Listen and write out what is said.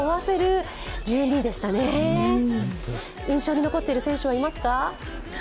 印象に残っている選手はいますか？